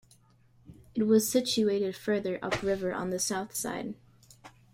It was situated further up river on the south side.